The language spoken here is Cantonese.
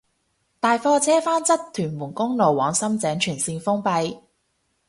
大貨車翻側屯門公路往深井全綫封閉